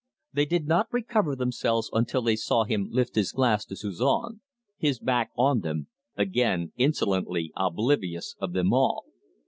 They did not recover themselves until they saw him lift his glass to Suzon, his back on them, again insolently oblivious of them all.